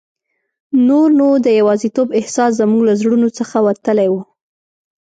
نور نو د یوازیتوب احساس زموږ له زړونو څخه وتلی وو.